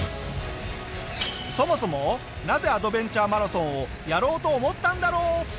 そもそもなぜアドベンチャーマラソンをやろうと思ったんだろう？